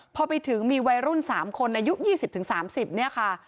พอไปถึงมีวัยรุ่น๓คนอายุ๒๐๓๐เนี่ยค่ะ